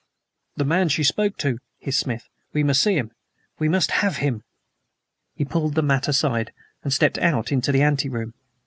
"The man she spoke to," hissed Smith. "We must see him! We must have him!" He pulled the mat aside and stepped out into the anteroom.